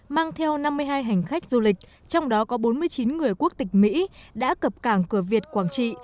mang theo năm mươi hai hành khách du lịch trong đó có bốn mươi chín người quốc tịch mỹ đã cập cảng cửa việt quảng trị